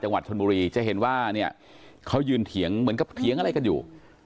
จังหวัดชนบุรีจะเห็นว่าเนี่ยเขายืนเถียงเหมือนกับเถียงอะไรกันอยู่